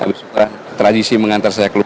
terus tradisi mengantar saya keluar